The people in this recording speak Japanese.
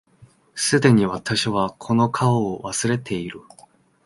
既に私はこの顔を忘れている